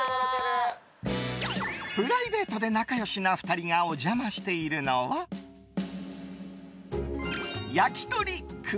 プライベートで仲良しな２人がお邪魔しているのは焼鳥く